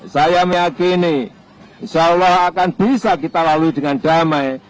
saya meyakini insyaallah akan bisa kita lalui dengan damai